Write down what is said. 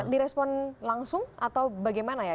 direspon langsung atau bagaimana ya